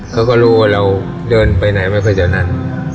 เขาก็รู้ว่าเราเดินไปไหนไม่ค่อยจากนั้น